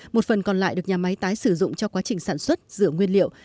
một phần còn lại được nhà máy tái sử dụng cho quá trình sản xuất rửa nguyên liệu